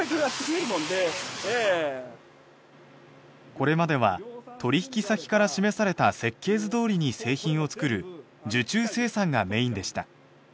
これまでは取引先から示された設計図どおりに製品を作る受注生産がメインでした。